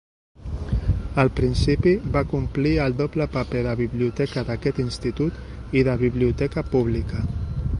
Al principi, va complir el doble paper de biblioteca d'aquest institut i de biblioteca pública.